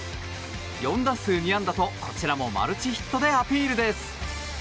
４打数２安打とこちらもマルチヒットでアピールです。